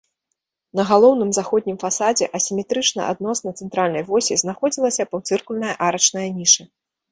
На галоўным заходнім фасадзе асіметрычна адносна цэнтральнай восі знаходзілася паўцыркульная арачная ніша.